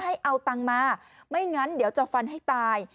ให้เอาตังค์มาไม่งั้นเดี๋ยวจะฟันให้ตาย